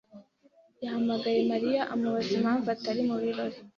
yahamagaye Mariya amubaza impamvu atari mu birori.